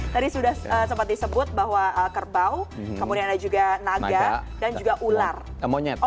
tadi sudah sempat disebut bahwa kerbau kemudian ada juga naga dan juga ular